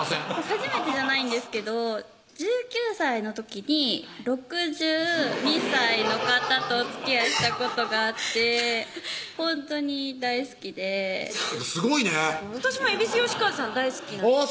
初めてじゃないんですけど１９歳の時に６２歳の方とおつきあいしたことがあってほんとに大好きですごいね私も蛭子能収さん大好きなんです